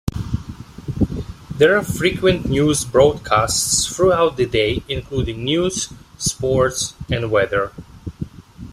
There are frequent news broadcasts throughout the day including news, sport and weather.